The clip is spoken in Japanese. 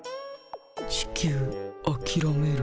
地球あきらめる？